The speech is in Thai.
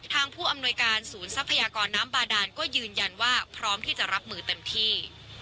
ผู้อำนวยการศูนย์ทรัพยากรน้ำบาดานก็ยืนยันว่าพร้อมที่จะรับมือเต็มที่